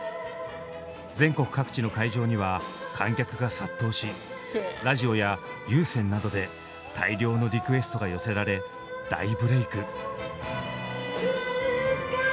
全国各地の会場には観客が殺到しラジオや有線などで大量のリクエストが寄せられ大ブレーク。